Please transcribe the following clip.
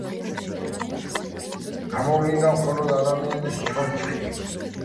გამოვლინდა მხოლოდ ადამიანის ჩონჩხი.